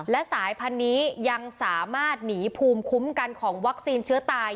และสายพันธุ์นี้ยังสามารถหนีภูมิคุ้มกันของวัคซีนเชื้อตาย